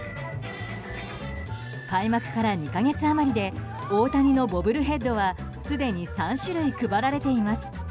開幕から２か月余りで大谷のボブルヘッドはすでに３種類、配られています。